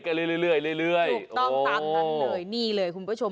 ถูกต้องตามกันเลยนี่เลยคุณผู้ชม